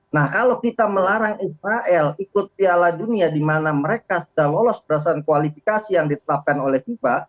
nah kalau kita melarang israel ikut piala dunia di mana mereka sudah lolos berdasarkan kualifikasi yang ditetapkan oleh fifa